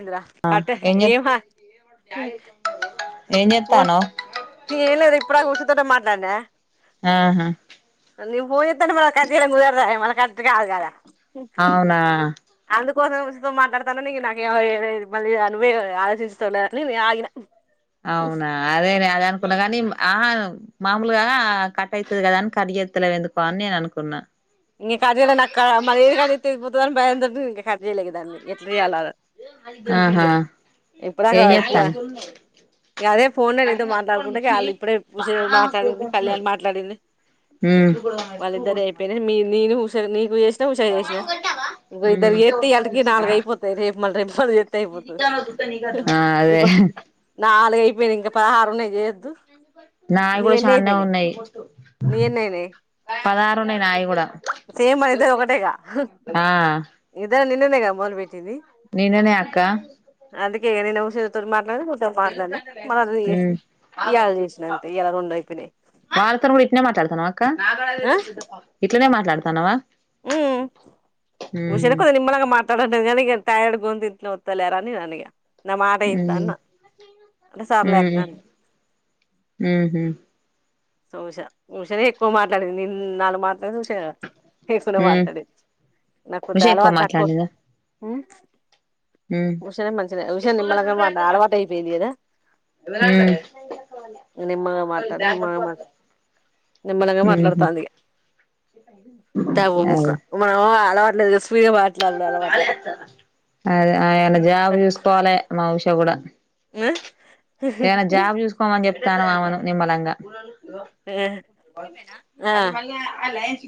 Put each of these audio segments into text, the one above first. ఏంది రా ఆ ఆటే చే ఏం హ ఏం చేత్తానవ్ ఏం లేదు ఇప్పటిదాక ఉష తోటే మాట్ నానా ఆహా నువ్ పోన్చెత్తంటే మళ కట్ చెయడం కుదరదాయె మళ కట్ కాదు కాదా అవునా తో [inaudible] మాట్లాడతా నా మళ్ళీ అనువే ఆలోచించతాలే ఆగిన అవునా అదే నేను అదే అనుకున్న కాని ఆహను మాములుగా కట్ అయితది కదా అని కట్ చేస్తలేవు ఎందుకో అని నేను అనుకున్నా ఇంకా కట్ చేయలేను అక్క మరి ఏది కట్ చేస్తే ఏది పోతదని భయం తోటి ఇంకా కట్ చేయలే ఇగ దాన్ని ఎట్లా చేయాల ఆహా ఇప్పటిదాకా ఏం పూవా చేత్తానవ్ ఇగ అదే ఫోన్ లా నీతో మాట్లాడుకుంట ఇగ అళ్ళు ఇప్పుడే ఉషే మాట్లాడింది కళ్యాణి మాట్లాడింది ఉమ్ వాళ్ళిద్దరి అయిపోయి మీ నేను ఒకసారి మీకు చేసు ఉష ఉష కు చేసిన ఇగో ఇద్దరు కి ఏతే ఇయాల్టీకి ఉమ్ నాలుగు అయిపోతాయి రేపు మల్ రేపు ఫల్ చేస్తే అయిపోతది ఆ అదే ఇవ్వను నాలుగు అయి వేనింకా పదహారు ఉన్నాయి చేయాద్దు నాయి నియ్ కూడా ఎన్ని చాన్నే అయిపోయినాయ్ ఉన్నాయి నియ్ ఎన్ని అయినాయి పదహారు ఉన్నాయి నాయి కూడా సేమ్ మన ఇద్దరిది ఒకటేగా ఆ ఇద నిన్ను ఇప్పుడేగా మొదలుపెట్ నిన్ననే అక్క ఏ నేను ఉష తోని మార్ ఇయాల చేసిన అంతే ఇయాల రెండు అయిపోయినాయి వాళ్ళతోని కూడా ఇట్నే మాట్లాడుతునవా అక్క ఇట్లనే మాట్లాడుతాన్నావా ఉ ఉషను కొద్దిగనిమ్నలంగ మాట్లాడ నగ టైర్డ్ గొంతు ఇట్నే ఒత్తదిలేరని నేనన్నఇగా నా మాట ఇంత ఉహు అన్న అంటే సరేలే ఉహు అక్క అన్ ఉహు సో ఉష ఉషనే ఎక్కువ మాట్లాడింది నిన్ నాలుగు మాట్ ఎందుకు శేమ ఉ వాడతాడు నా ఉష ఎక్కువ కొద్దిగఅలవాటు తక్కువ మాట్లాడిందా హ ఉ ఉషనే మంచి ఉష నిమ్మలంగా మట అలవాటు అయిపోయింది కదా ఉ నిమ్మగా మాటడు నిమ్మగా మ నిమలాంగా ఉహు మాట్లాడుతంది ఇగ తావో ఉక అదే మావ్వా అలవాడలేదు స్ అదే ఆయన్న జాబ్స్ చూసుకోవాలె మ కూడా ఆ ఏదైనా జాబ్ చూకోమని చెప్ప తానం అవను నిమ్మలంగా ఆ అది మళ్ళ అలన్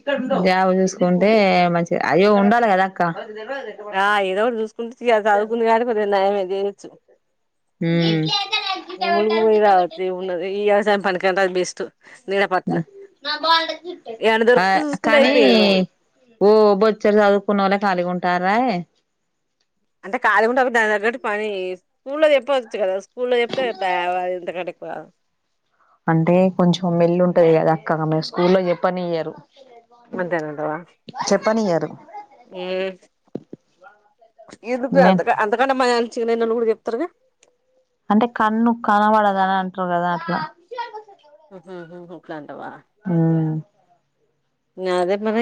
జాబ్ చూసుకుంటే మంచిది అయ్యో ఉండాలి కదా అక్క ఆ ఏదో ఒకటి చూసుకుంటే చదువుకుంది కానీ కొద్దిగ నయమే చేయొచ్చు ములుగు పోయి రావచ్చు ఎం ఉన్నది ఈ యవసాయం పనికి క ఎంత బేస్టు ఏమన్నా దొరికితే చూసుకుంటే కానీ అయిపోయేది మరి ఓ బొచ్చడు చదువుకున్నోళ్ళే ఖాలిగా ఉంటారు రాఎ అంటే కాలిగుండ దగటు పని స్కూల్లా చెప్పచ్చు కదా స్కూల్లో చెప్తా ఐపాయ్ ఇంతకంటే ఎక్కువ అంటే కొంచెం మెల్లి ఉంటది కదా అక్కగా ఆమె స్కూల్లో చెప్పనియ్యారు అంతే ఉంటవా చెప్పనియ్యరు ఇ మెన్ అంత అంతక మ చి న నన్ను కూడా చెప్తారుగా అంటే కన్ను కనబడద అని అంటారు కదా అట్లా హ ఉక ఆ అదే మరి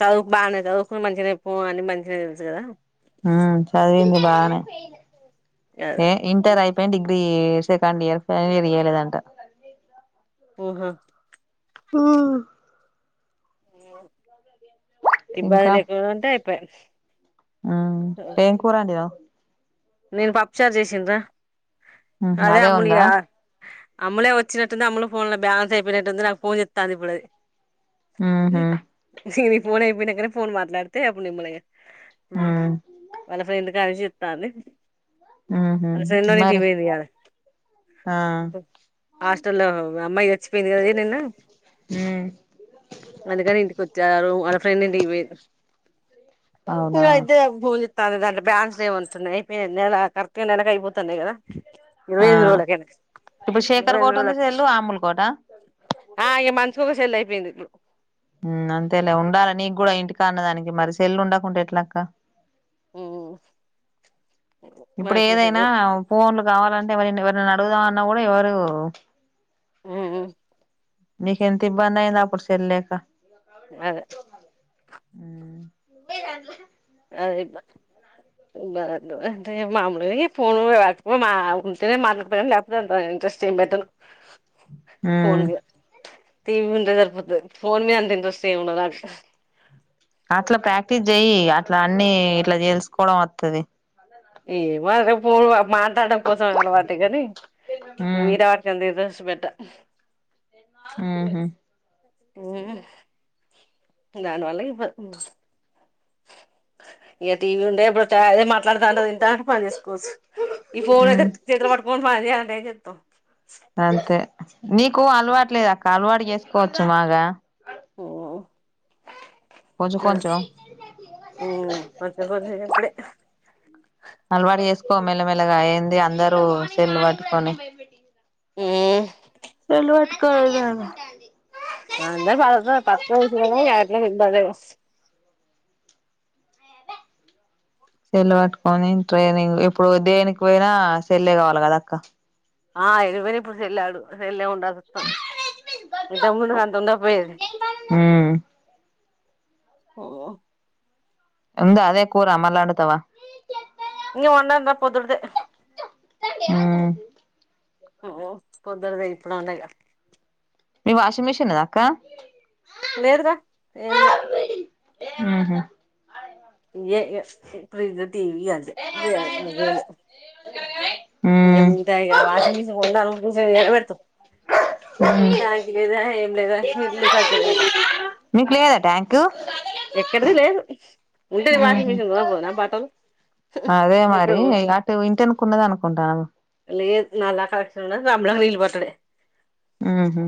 చదువు బాగునేయి చదువుకుని మంచిగాయి పో అని మంచిగా తెలుసు కదా ఉమ్ చదివింది బానే ఏ ఇంటర్ అయిపో degree second year final year ఓహ ఆ అ ఇబ్బందిలు ఎక్కువగా ఉంటే పస్ టేంకూరడిద నేను పప్పుచార్ చేసింద్రా మ్ అదే ఉందా అమ్లే వచ్చినటుంది అమ్మ ఫోన్ లో బేాలన్స్ అయిపోయినటుంది నాకు ఫన్ చెత్తా అదు ఇప్పుడుది ఆ హా ఫోన్ అయినాకనే ఫోన్ మాట్లాడితే అప్పుడుమ్మలగా ఉమ్ వాళ్ల ఫందు గని చెతనే ఉహు అసో ఇంటి మరి పోయింది ఆ హాస్టల్ల్లో అమ్మాయి చచ్చిపోయింది కదాద నిన్న ఉమ్ అందుకని ఇంటికి వచ్చ ఫ్రీన్డు ఇంటికి పోయిండి అవునా ఇంగ అయితే భోలే అది దాంట్ బ్యాన్స్లు ఏ వొంతున్నాయి నే నెల కరెక్ట్గా నెల అయిపోతన్నాయి కదా ఇరవై ఆ ఎనిమిది రోజులకేనా ఇప్పుడు ఇరవై శేఖర్ కో ఎనిమిది టి ఉంది రోజులకు సెల్లు ఆమూల్ కోట ఆ ఇగ మన్సికో సెల్ వేంది ఇప్ అంతేలే ఉండాలా నీగ్గూడా ఇంటికాన్న దానికి మరి సెల్లు ఉండకుంటే ఎట్లక్క మ్మ్ ఇప్పుడు మనిషికి ఒక సెల్ ఏదైనా పోన్లు కావాలంటే మరి ఎవర్నైనా అడుగుదామన్నా కూడా ఎవరు హ్మ్ నీక ఎంత ఇబ్బందయింది అప్పుడు సెల్లేక అదే హ్మ్ అదే అంటే మామలుగా ఫోన్కపో ఉంటేనే మాట్లాడుతా గాని లేకపోతే అంత ఇంట్రెస్ట్ ఏం పెట్టను ఆ టీవి ఉంటే సరిపోతది ఫోన్ మీ అంత ఇంట్రెస్ట్ ఏం ఉండదు నాకు అట్లా ప్రాక్టీస్ జెయ్యి అట్లా అన్ని ఇట్లా తెలుసుకోవడం వత్తది ఏ మే పరు మా డం కోసం అలవాంటి కాని ఉమ్ మీరే వాడుతుందిజ శుబెట్ట మ్ హా దానివల్ల ఇ ఇక టీవీ ఉండే ఇప్పుడు చదే మాట్లాడడుతుాంటది ఎంట అంటే పని చేసుకోవచ్చు ఈ ఫోన్ అయితే ఉమ్ చేట పటుకని పని చేయాల గతు అంతే నీకు అలవాటు లేదు అక్క అలవాటు చేసుకోవచ్చు మాగా ఆ కొంచెం కొంచెం ఆ కొపోప్పుడే అలవాటు చేసుకో మెల్లమెల్లగా అయంది అందరూ సల్లు పట్టుకొని ఆ చలు అటుకదను నంద ప పత్ వస ఎలాందడ చెల్ల పట్టుకొని ట్రైనింగ్ ఇప్పుడు దేనికి పోయినా సెల్లే కావాలి కదా అక్క ఆ ఇరువని ఇప్పుడు సెల్లాడుల్ ఉ దమ్మన హా త ఉ భేజ ఉమ్ ఓ ఉంద అదే కూర మలాలాడుతావా ఇం ఉండంట పోద్తుదు ఆ ఓ పొద్దునదే ఇప్పుడు ఉంది గా మీ వాషింగ్ మెషిన్ ఉన్నద అక్క లేదుగా ఏం లే హ్మ్ హు ఇదే ఇగ [unintelligible] టీ వీ అంతే వే వేళ ఇంకా ఉమ్ మిగతాయి ఆ వాషింగ్ మిషన్ కొందాము ఎ ఏడ పెడుతావు కాలి లేదా ఏం లేదా ఇండ్లు కట్టుడే ఇగ కు ఎక్కడిది లేదు. ఉంటే నేన్ వాషింగ్ ఉహు మిషిన్ కొనగ్పోదునా బట్టలు. అదే ఇప్పుడూ మరి అటు ఇంటెనకున్నది అనుకుంటాను లేద్ నల్లా కలక్షన్ ఉన్నద్. గమ్మునా నీళ్ళు పట్టుడే. ఉహు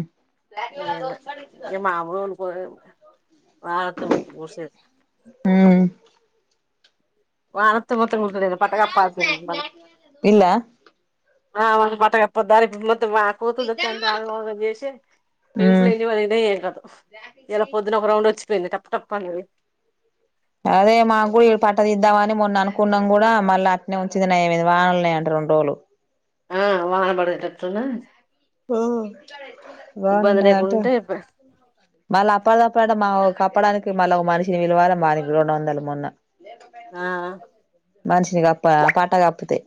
ఏం లేద్. ఇగ మామూలు పోద్ వాన్ హ్మ వానొత్ వొత్తే మొత్తం ముంచుడేగా బట్ట కప్పాల్సిందే మళ్ళ ఇల్లా ఆ మళ్ళీ బట్ట కప్పొద్దారా ఇప్పుడు మోత్ తం. ఆ కోతులు తొక్కి అంత ఆగం ఆగం జేసీ. [unintelligible] ఉమ్ ఎన్ని పగిల్నయి ఏం కథో. ఇయలా పొద్దున ఒక రౌండ్ వచ్చిపోయింది టప్ టప్ అన్నది. అదే మా గుడి పట్టా తీద్దామని మొన్న అనుకున్నం గూడా మళ్ళ అట్నే ఉంచిది నయం అయ్యింది. వానలు ఉన్నాయంట రెండు రోజులు. ఆ వానబడేటట్టున్నా ఆ వాన ఉన్నది అంటే లేకుంటే ప- మళ్ళ అప్పడ దప్పడ అంటే మా వోద్ కప్పడానికి మళ్ళ ఒక మనిషిని పిలవాలే వానికి రెండు వందలు మొన్న. ఆ మనిషిని కప్పా ఆ పట్టా కప్పుతే.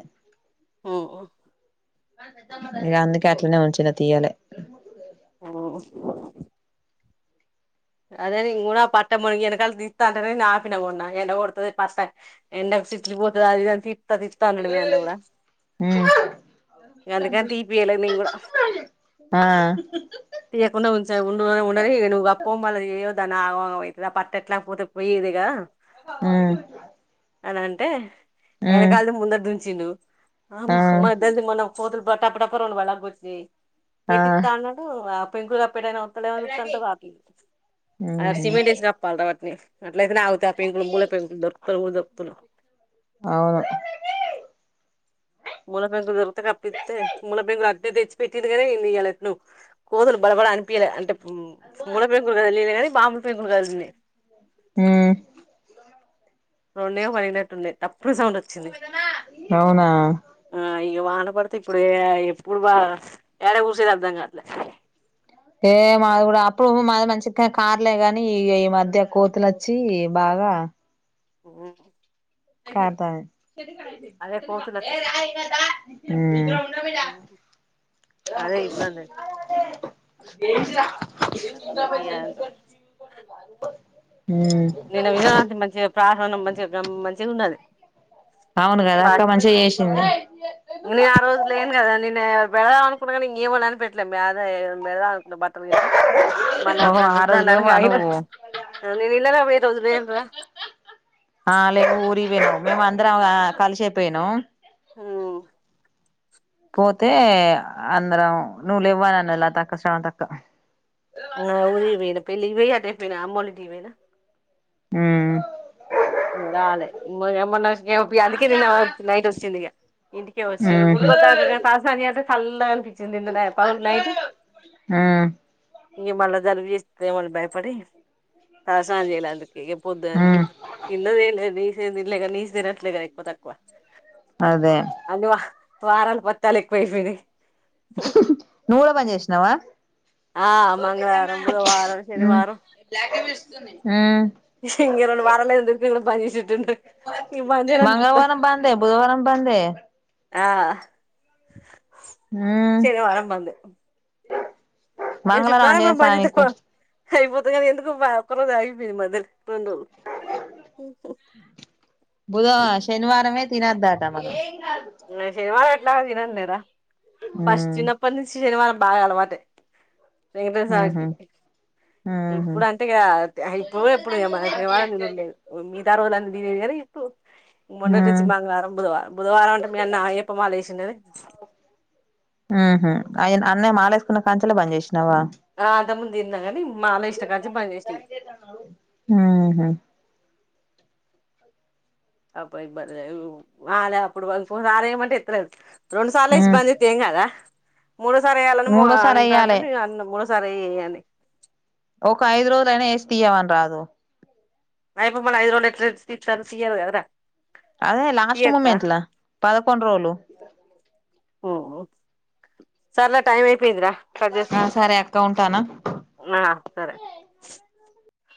ఓఓ ఇగ అందుకే అట్లనే ఉంచిన తీయలే. అదే అదే నేన్ గునా పట్ట మునిగి ఎనకాల తిత్తా అంటనే నేన్ ఆపిన మొన్నా. ఎండ కొడతది పట్ట ఎండక్ చిట్లి పోతది అది ఇదీ అని తిట్ తీత్తా తీత్తా అన్నడు మీ అన్న గూడ. ఉమ్ ఇగ అందుకన్ తీపియలేదు నేన్ గూడ. ఆ తీయకుండా ఉంచ ఉండు ఉండనీ నువ్వు కప్ అయ్యయో దాన్ని ఆగం ఆగం ఐతది ఆ పట్టెట్లా పోతే పొయ్యేదిగా. ఆ అనంటే. ఎనకాలది ముందటి దున్ చిండు. ఆ మహ మద్దల్ దీ మొన్నా కోతులు బ టప్ప టప్ప రెండు బళగ్ కుర్శీ ఆ పెట్టిత్తా అన్నడూ ఆప్ పెంకుల్ కప్ కప్పేటాయనా ఒత్తడే మో అని చూత్తాంటే రావట్లేడు. ఉహు అర్ సిమెంట్ ఏసి కప్పాల్రా వాట్ని. లేకుంటే ఆగుతయా ఆ పేగులు ముళ్ళ పేగులు దొర్క్తలేవు గూడ దొర్కు [unintelligible] అవును. గూనపెంకుదిరు తగపిత్తే గూనే పెంకులద్ ఇగ దెచ్చి పెట్టిండు గద ఈనియాలెట్నో, కోతులు బడబడ అనిపియలె అంటె ప్ ఫూనే పెంకులు కదిలియలే గని, బాములు పెంకులు గదిలినయ్. ఉమ్ రొండే పనినటున్నయ్ తప్ పుర్ సౌండ్ ఒచ్చింది. అవునా ఇగ వాన పడితే, ఇప్పుడు ఏ ఎప్పుడు బా ఏడ కూసేది అర్ధంగాట్లే. ఏ మాది గూడా అప్పుడు మాది మంచికె కార్లే గని, ఈ ఇగ ఈ మధ్య కోతులచ్చి బాగా ఉమ్ కార్థంది. ఊ ఆహ అదే ఇబ్బందె ఎంజిర నేను వినవడితిని మంచిగా ప్రసానం మంచి బ్రం మంచిగున్నది, అవును కదా పా అక్క మంచిగా చేసింది నే ఆ రోజు లేను గదా నినాయప్ వెెళలనుకుగని ఇంగేమన్నని పెట్లే, బ్యాదే అదే బెల ను బట్టలుగింటా, మళ్ల ఓహో అపుడు నేన్ ఆ రోజు రుద్దాలని లేవ్వా గయిన నువ్వు అ నేన్ నిన్ననే వొ ఈ రోజ్ లేండ్రా. అ లెవ్ ఊరి యం మేము అందరం, ఆ కలిషేపెయినం. ఆ పోతే అందరం నువ్ లెవ్వననల్ లతక్క, స్రవంతక్క. లెప్పినా అమ్మోలింటికివైన. ఊమ్ రాలే ఇంటికేవచ్చినిగ, ఉహు గుడికొద్దామనుకున్న తలసానము జెయొద్దు. హల్లో ఎవ్రి ఊ ఇగ మళ్ల జలుబు జెస్తదేమో అని బయపడి తలసానం జేయలే అందుకె ఇగ పొద్దన్ ఉమ్ లేద్ నీసెం దిన్లే గని నీస్ దినట్లే గద ఎక్కువ తక్కువ. అదే వారాలు పత్తాలు ఎక్కువై పయినయ్ నువ్వు కూడా పని చేసినావా ఆ మంగళవారం బుధవారం శనివారం ఆ ఇం రెండు వారాలే గట్టిగా ఈ పని చేసేద్ ఇంకా పని చేయనని జెప్తా మంగళవారం బందే బుధవారం బందే ఆ ఉమ్ శనివారం బందు మంగళారం అంజేసామీకీ అయిపోతే గానీ ఎందుకు బరాయిపో మదలు బుధవ శనివారంమే తినే దాటా మల్ల ఇంగ సినిమా లా తినంలేర ఉమ్ పశన్నప్పటి నుంచి శనివారం బాగా అలవాటె వెంకట్రో ఉహు సమీకి ఉహు ఇప్పుడు అంతే ఇప్పుడు ఎప్పుడు మన శవాళ ననులేదు మిగతా రోజులున్న దీని కానీ ఇప్పుడు మోన్నటిచ్చి ఉమ్ మంగళవారం బుధవారం బుధవారం మీ అన్న అయ్యప్ప మాలా వేసిందే అన్నే మాలేసుకున్న కంచెలో పని చేేషిన ఆ అంతముందు దిన్ననీ ఉమ్ హమ్ అబ్బా ఈ బర్రెలు ఆ అప్పుడుపో ఆర అమట ఎ రెండు సాల్లు లేసి ఉమ్ బంద్ ఎస్తే ఏం కాదా మూడోసారి వేయాలని మూడోసారి అంటంట ఎయ్యాలే మూ సరే ఎయ్యాలే ఒక ఐదు రోజుల అయినా వేసి తీయవాని రాదు అయ్యప్ప మాలా ఐదు రజుల్లో ఎట్లా తిత్తరు తీయారుకదార అదే లాస్ట్ ముూమెంట్ల పదకొండ్రోలు సర్లే టైమ్ అయి అయిపోయిందిర కట్ ఆ చేస్కో సరే అక్క ఉంటానా